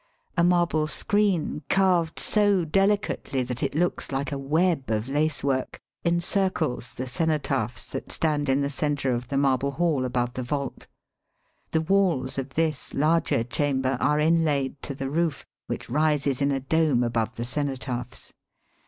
A marble screen carved so deUcately that it looks like a web of lace work encircles the cenotaphs that stand in the centre of the marble hall above the vault* The waUs of this larger chamber are inlaid to the roof, which rises in a dome over the cenotaphs.